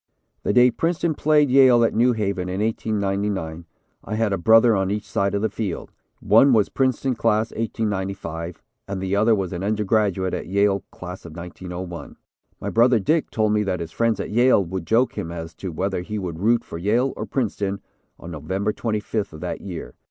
The day Princeton played Yale at New Haven in 1899, I had a brother on each side of the field; one was Princeton Class, 1895, and the other was an undergraduate at Yale, Class of 1901. My brother, Dick, told me that his friends at Yale would joke him as to whether he would root for Yale or Princeton on November 25th of that year.